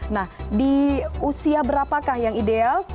nah di usia berapakah yang ideal